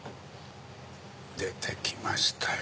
出てきましたよ